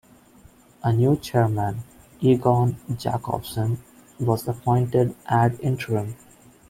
A new chairman, Egon Jakobsen, was appointed ad interim.